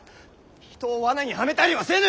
人を罠にはめたりはせぬ！